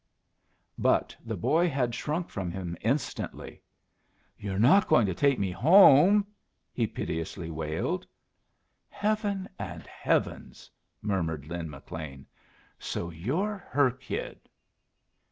But the boy had shrunk from him instantly. "You're not going to take me home?" he piteously wailed. "Heaven and heavens!" murmured Lin McLean. "So you're her kid!"